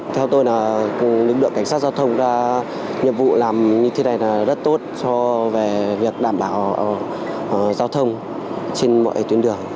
theo tôi là lực lượng cảnh sát giao thông đã nhiệm vụ làm như thế này là rất tốt về việc đảm bảo giao thông trên mọi tuyến đường